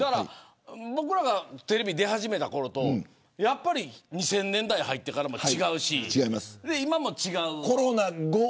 僕らがテレビ出始めたころと２０００年代入ってからも違うし今も違う。